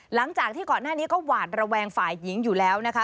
หลังจากที่ก่อนหน้านี้ก็หวาดระแวงฝ่ายหญิงอยู่แล้วนะคะ